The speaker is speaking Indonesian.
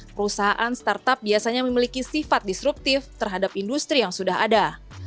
perusahaan startup biasanya memiliki sifat disruptif terhadap industri yang sudah ada